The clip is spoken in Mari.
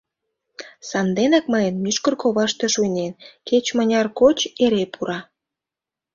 Санденак мыйын мӱшкыр коваште шуйнен, кеч-мыняр коч — эре пура!